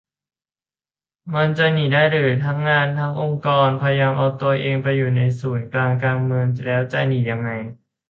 มันจะหนีได้เหรอ ทั้งงานทั้งองค์กรพยายามจะเอาตัวเองไปอยู่ในศูนย์กลางการเมือง แล้วจะหนียังไง